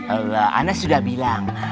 allah ana sudah bilang